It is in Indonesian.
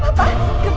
pak pak ini apa pak